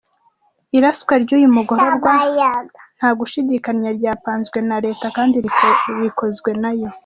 Iraswa ry’uyu mugororwa ntagushidikanya ryapanzwe na leta kandi rikozwe nayo.